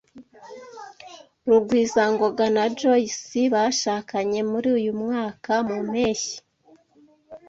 Rugwizangoga na Joyce bashakanye muri uyu mwaka mu mpeshyi.